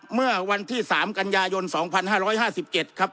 เมื่อวันที่๓กันยายน๒๕๕๗ครับ